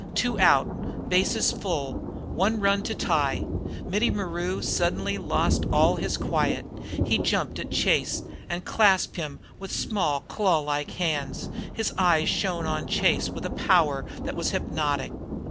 Two out, bases full, one run to tie! Mittie Maru suddenly lost all his quiet; he jumped at Chase and clasped him with small, claw like hands; his eyes shone on Chase with a power that was hypnotic.